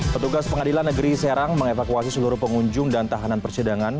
petugas pengadilan negeri serang mengevakuasi seluruh pengunjung dan tahanan persidangan